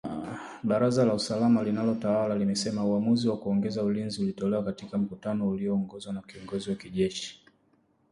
Baraza la usalama linalotawala limesema uamuzi wa kuongeza ulinzi ulitolewa katika mkutano ulioongozwa na kiongozi wa kijeshi , generali Abdel